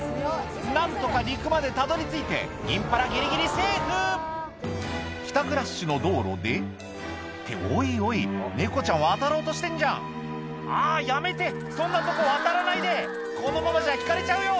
何とか陸までたどり着いてインパラギリギリセーフ帰宅ラッシュの道路でっておいおいネコちゃん渡ろうとしてんじゃんあやめてそんなとこ渡らないでこのままじゃひかれちゃうよ